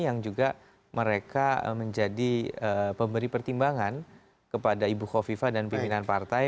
yang juga mereka menjadi pemberi pertimbangan kepada ibu kofifa dan pimpinan partai